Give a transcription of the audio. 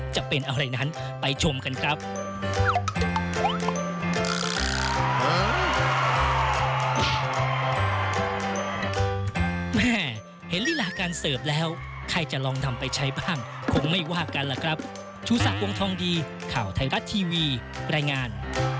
จะเป็นอะไรนั้นไปชมกันครับ